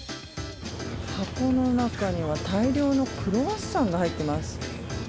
箱の中には大量のクロワッサンが入ってます。